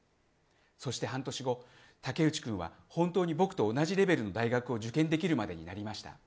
そして半年後、武内君は本当に僕と同じレベルの大学を受験できるまでになりました。